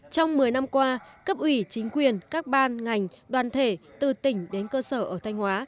trong một mươi năm qua cấp ủy chính quyền các ban ngành đoàn thể từ tỉnh đến cơ sở ở thanh hóa